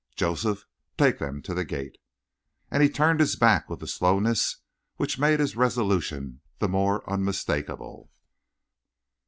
Joseph, take them to the gate." And he turned his back with a slowness which made his resolution the more unmistakable.